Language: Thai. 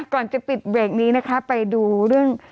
ก่อนจะปิดเบรกนี้นะคะไปดูเรื่อง